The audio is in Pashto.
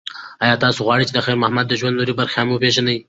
ایا تاسو غواړئ چې د خیر محمد د ژوند نورې برخې هم وپیژنئ؟